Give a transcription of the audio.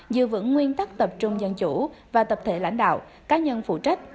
giữ vững nguyên tắc tập trung dân chủ và tập thể lãnh đạo cá nhân phụ trách